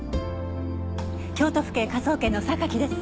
京都府警科捜研の榊です。